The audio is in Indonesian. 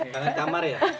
kangen kamar ya